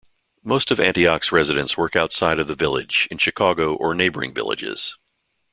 Most of Antioch's residents work outside of the village, in Chicago or neighboring villages.